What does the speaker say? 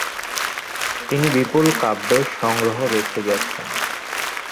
তিনি বিপুল কাব্যের সংগ্রহ রেখে গেছেন।